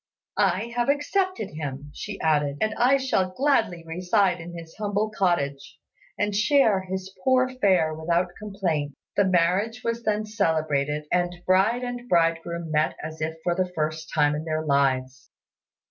"I have accepted him," added she, "and I shall gladly reside in his humble cottage, and share his poor fare without complaint." The marriage was then celebrated, and bride and bridegroom met as if for the first time in their lives.